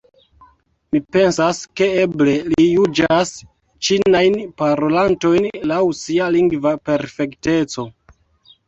Mi pensas, ke eble li juĝas ĉinajn parolantojn laŭ sia lingva perfekteco.